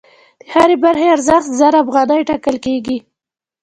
د هرې برخې ارزښت زر افغانۍ ټاکل کېږي